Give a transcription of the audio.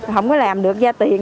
không có làm được gia tiền